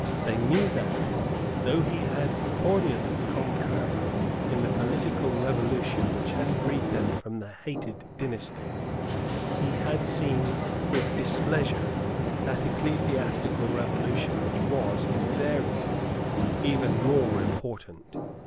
They knew that, though he had cordially concurred in the political revolution which had freed them from the hated dynasty, he had seen with displeasure that ecclesiastical revolution which was, in their view, even more important.